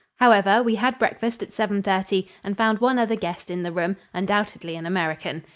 However, we had breakfast at 7:30 and found one other guest in the room undoubtedly an American.